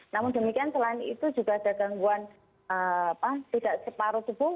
namun demikian selain itu juga ada gangguan tidak separuh tubuh